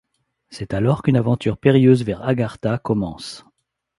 C'est alors qu'une aventure périlleuse vers Agartha commence.